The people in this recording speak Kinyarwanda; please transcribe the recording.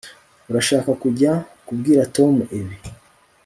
urashaka kujya kubwira tom ibi